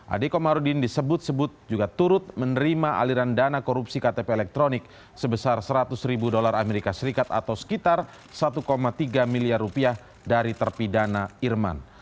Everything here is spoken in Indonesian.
ade komarudin disebut sebut juga turut menerima aliran dana korupsi ktp elektronik sebesar seratus ribu dolar amerika serikat atau sekitar satu tiga miliar rupiah dari terpidana irman